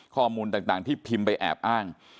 ข้อมูลต่างที่พิมพ์ไปแอบอ้าง